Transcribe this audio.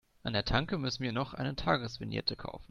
An der Tanke müssen wir noch eine Tagesvignette kaufen.